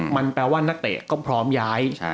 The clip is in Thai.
มันแปลว่านักเตะก็พร้อมย้าย